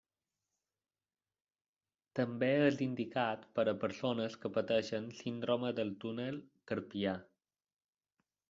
També és indicat per a persones que pateixen síndrome del túnel carpià.